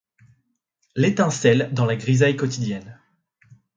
L’étincelle dans la grisaille quotidienne.